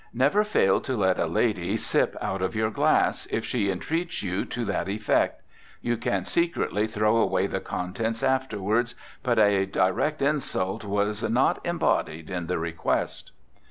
Never fail to let a lady sip out of your glass, if she entreats you to that effect. You can secretly throw away the contents afterward, but a direct insult was not embodied in the request.